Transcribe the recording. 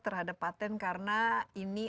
terhadap patent karena ini